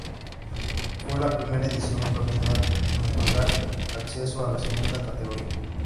Fue la primera edición profesional en otorgar ascensos a la segunda categoría.